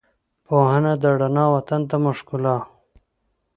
پوهنه ده رڼا، وطن ته مو ښکلا